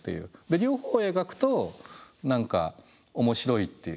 で両方を描くと何か面白いって。